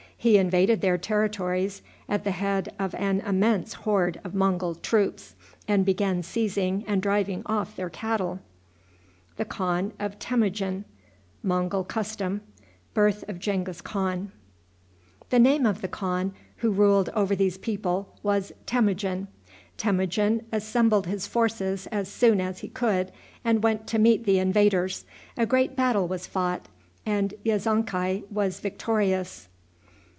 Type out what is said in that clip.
He invaded their territories at the head of an immense horde of Mongul troops, and began seizing and driving off their cattle. The name of the khan who ruled over these people was Temujin. Temujin assembled his forces as soon as he could, and went to meet the invaders. A great battle was fought, and Yezonkai was victorious.